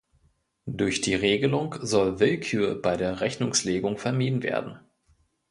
Durch die Regelung soll Willkür bei der Rechnungslegung vermieden werden.